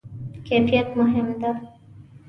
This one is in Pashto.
کیفیت مهم ده؟